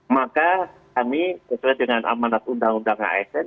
maka kami sesuai dengan amanat undang undang asn